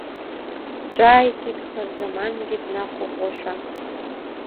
Ҿааиҭит Хырзамангьы, днақәыӷәӷәашәа.